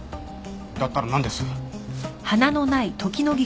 だったらなんです？